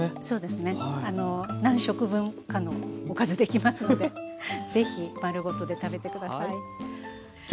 そうですね何食分かのおかずできますので是非丸ごとで食べて下さい。